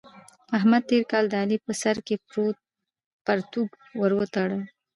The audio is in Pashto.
احمد تېر کال د علي په سر کې پرتوګ ور وتاړه.